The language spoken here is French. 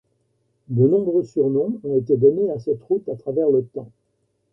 De nombreux surnoms ont été donnés à cette route à travers le temps.